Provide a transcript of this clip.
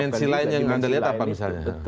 dimensi lainnya yang anda lihat apa misalnya